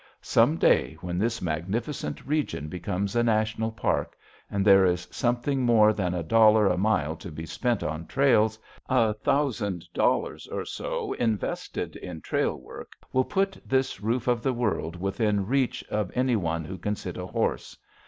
Some day, when this magnificent region becomes a National Park, and there is something more than a dollar a mile to be spent on trails, a thousand dollars or so invested in trail work will put this roof of the world within reach of any one who can sit a horse.